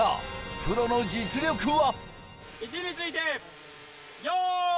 プロの実力は？